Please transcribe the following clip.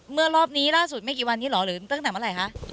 รอบนี้ล่าสุดไม่กี่วันนี้เหรอหรือตั้งแต่เมื่อไหร่คะ